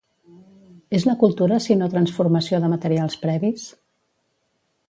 És la cultura sinó transformació de materials previs?